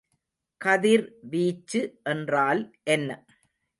கதிர் வீச்சு என்றால் என்ன?